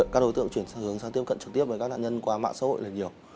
các đối tượng chuyển sang hướng sang tiếp cận trực tiếp với các nạn nhân qua mạng xã hội là nhiều